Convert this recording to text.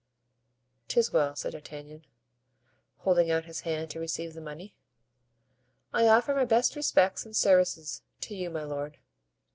"'Tis well," said D'Artagnan, holding out his hand to receive the money. "I offer my best respects and services to you, my lord."